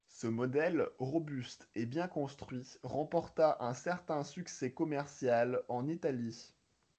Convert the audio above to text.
Ce modèle, robuste et bien construit, remporta un certain succès commercial en Italie.